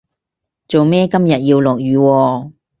做咩今日要落雨喎